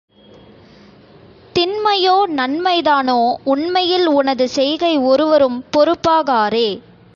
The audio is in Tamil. தின்மையோ நன்மை தானோ உண்மையில் உனது செய்கை ஒருவரும் பொறுப்பா காரே.